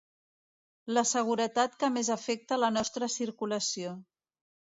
La seguretat que més afecta la nostra circulació.